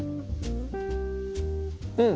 うん！